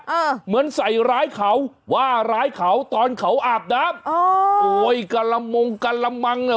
เหมือนใส่ร้ายเขาว่าร้ายเขาตอนเขาอาบน้ำอ๋อโอ้ยกะละมงกะละมังน่ะ